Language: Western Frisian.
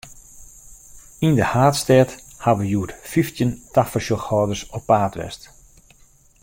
Yn de haadstêd hawwe hjoed fyftjin tafersjochhâlders op paad west.